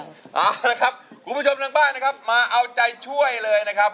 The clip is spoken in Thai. เอาละครับคุณผู้ชมทางบ้านนะครับมาเอาใจช่วยเลยนะครับ